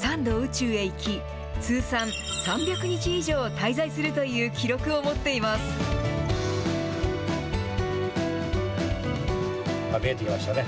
３度宇宙へ行き、通算３００日以上、滞在するという記録を持って見えてきましたね。